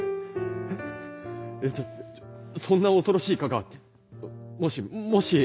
えそんな恐ろしい蚊がもしもし